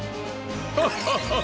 ハハハハハ！